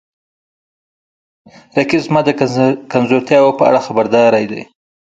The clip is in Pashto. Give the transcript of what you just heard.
رقیب زما د کمزورتیاو په اړه خبرداری دی